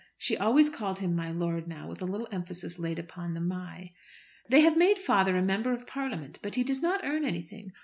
She always called him my lord now, with a little emphasis laid on the "my." "They have made father a Member of Parliament, but he does not earn anything.